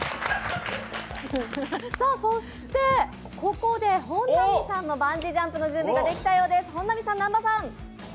そして、ここで本並さんのバンジージャンプの準備ができたようです。